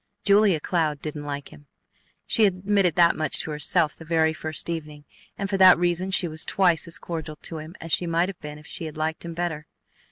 Julia Cloud didn't like him. She admitted that much to herself the very first evening, and for that reason she was twice as cordial to him as she might have been if she had liked him better.